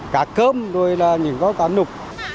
cá cơm rồi là những gói cá nục